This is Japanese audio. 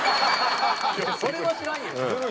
それは知らんよ。